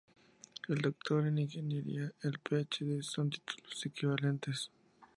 El Doctor en Ingeniería y el PhD son títulos equivalentes.